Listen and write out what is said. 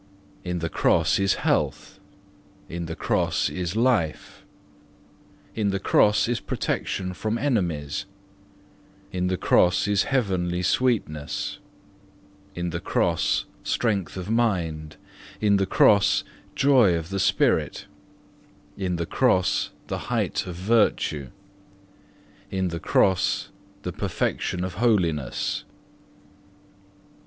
In the Cross is health, in the Cross is life, in the Cross is protection from enemies, in the Cross is heavenly sweetness, in the Cross strength of mind, in the Cross joy of the spirit, in the Cross the height of virtue, in the Cross perfection of holiness.